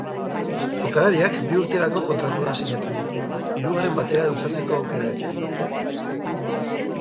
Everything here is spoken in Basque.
Jokalariak bi urterako kontratua sinatu du, hirugarren batera luzatzeko aukerarekin.